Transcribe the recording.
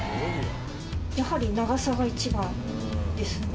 やはり長さが一番ですね。